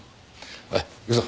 おい行くぞ。